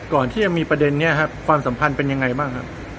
ก่อนที่จะมีประเด็นนี้ครับความสัมพันธ์เป็นยังไงบ้างครับ